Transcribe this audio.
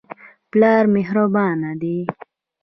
پلار مهربانه دی.